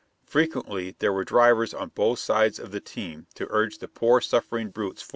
Frequently there were drivers on both sides of the team to urge the poor, suffering brutes forward.